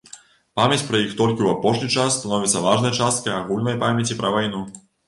Памяць пра іх толькі ў апошні час становіцца важнай часткай агульнай памяці пра вайну.